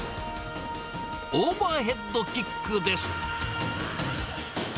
オーバーヘッドキックです。